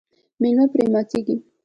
میلمه پرې ماتیږي.